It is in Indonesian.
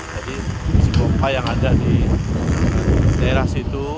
jadi mesin pompa yang ada di daerah situ